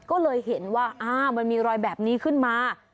ก็เลยเห็นว่าอ้าวมันมีรอยแบบนี้ขึ้นมา